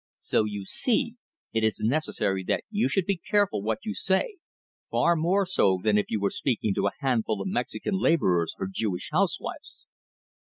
"So you see, it is necessary that you should be careful what you say far more so than if you were speaking to a handful of Mexican laborers or Jewish housewives."